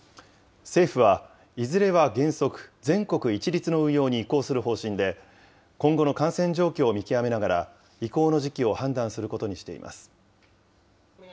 政府はいずれは原則、全国一律の運用に移行する方針で、今後の感染状況を見極めながら、移行の時期を判断することにしています。